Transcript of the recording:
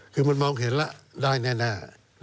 คือมันมายองเห็นละได้แน่แน่